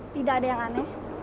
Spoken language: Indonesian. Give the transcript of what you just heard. tidak ada yang aneh